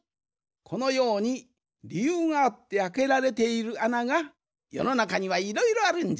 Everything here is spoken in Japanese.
このようにりゆうがあってあけられているあながよのなかにはいろいろあるんじゃ。